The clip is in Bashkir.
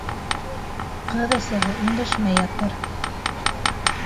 Ҡыҙ әсәһе өндәшмәй ятыр.